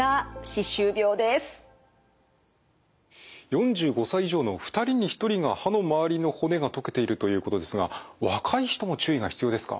４５歳以上の２人に１人が歯の周りの骨が溶けているということですが若い人も注意が必要ですか？